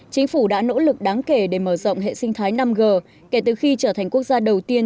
chính phủ đã nỗ lực đáng kể để mở rộng hệ sinh thái năm g kể từ khi trở thành quốc gia đầu tiên